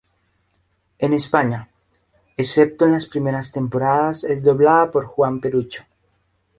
En España, excepto en las primeras temporadas es doblado por Juan Perucho.